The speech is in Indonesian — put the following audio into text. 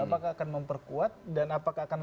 apakah akan memperkuat dan apakah akan